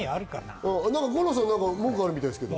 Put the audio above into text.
五郎さん、なんか文句あるみたいですけど。